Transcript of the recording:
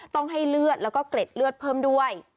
ต้องให้เลือดแล้วก็เกร็ดเลือดเพิ่มด้วย